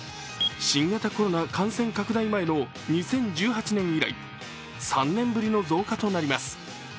新型コロナ感染拡大前の２０１８年以来、３年ぶりの増加となります。